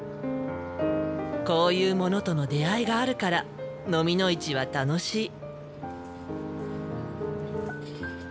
こういうものとの出会いがあるからのみの市は楽しい。